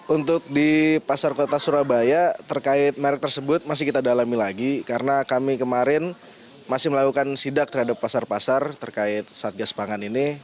untuk di pasar kota surabaya terkait merek tersebut masih kita dalami lagi karena kami kemarin masih melakukan sidak terhadap pasar pasar terkait satgas pangan ini